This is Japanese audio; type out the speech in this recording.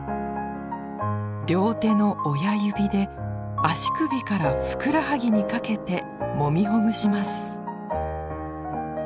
両手の親指で足首からふくらはぎにかけてもみほぐします。